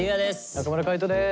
中村海人です。